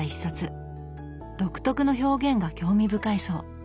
独特の表現が興味深いそう。